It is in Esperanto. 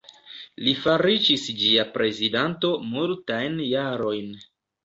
Li fariĝis ĝia prezidanto multajn jarojn.